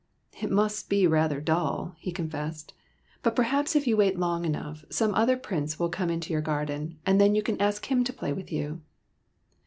'' It must be rather dull," he confessed ;'' but per haps, if you wait long enough, some other prince will come into your garden, and then you can ask him to play with you."